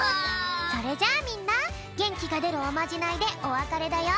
それじゃあみんなげんきがでるおまじないでおわかれだよ！